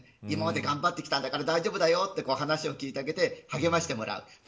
今まで頑張ってきたんだから大丈夫だよって話を聞いてあげて励ましてもらう。